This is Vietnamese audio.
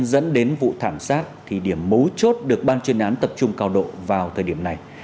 dẫn đến vụ thảm sát thì điểm mấu chốt được ban chuyên án tập trung cao độ vào thời điểm này